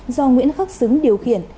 do nguyễn khắc xứng điều khiển